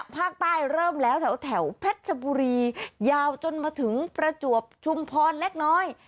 ภาคใต้เริ่มแล้วแถวเพชรชบุรียาวจนมาถึงประจวบชุมพรเล็กน้อย